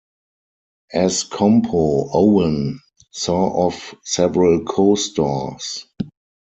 As Compo, Owen saw off several co-stars.